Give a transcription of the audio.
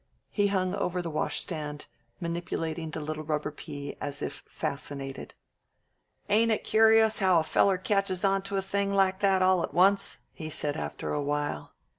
He hung over the washstand, manipulating the little rubber pea as if fascinated. "Ain't it curyus how a feller catches onto a thing like that all to once?" he said after a while.